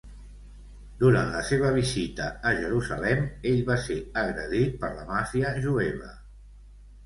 Durant la seva visita a Jerusalem, ell va ser agredit per la màfia jueva.